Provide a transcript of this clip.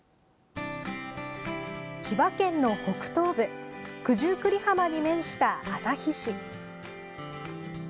千葉県の北東部九十九里浜に面した旭市。